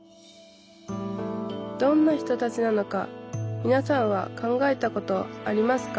どんな人たちなのかみなさんは考えたことありますか？